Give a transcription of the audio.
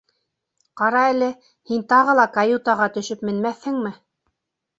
Ҡара әле, һин тағы ла каютаға төшөп менмәҫһеңме?